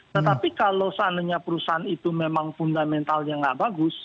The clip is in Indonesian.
tetapi kalau seandainya perusahaan itu memang fundamentalnya nggak bagus